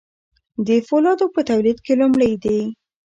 د فولادو په تولید کې لومړی دي.